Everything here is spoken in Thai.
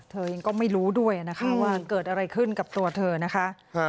ยังก็ไม่รู้ด้วยนะคะว่าเกิดอะไรขึ้นกับตัวเธอนะคะ